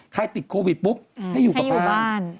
ใครติดโควิดพลุ๊คให้อยู่กับบ้าน